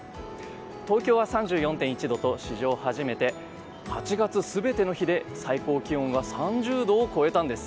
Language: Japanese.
東京は３４．１度と史上初めて８月全ての日で最高気温が３０度を超えたんです。